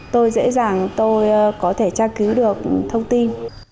tôi dễ dàng tôi có thể tra cứu được thông tin